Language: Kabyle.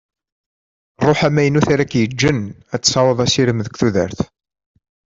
Rruḥ amaynut ara k-yeǧǧen ad tesɛuḍ asirem deg tudert.